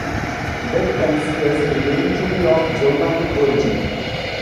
Beck considers the name to be of Germanic origin.